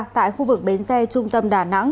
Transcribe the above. tại khu vực bến xe trung tâm đà nẵng